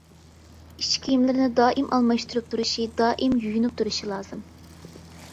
ئىچ كىيىملىرىنى دائىم ئالماشتۇرۇپ تۇرۇشى، دائىم يۇيۇنۇپ تۇرۇشى لازىم.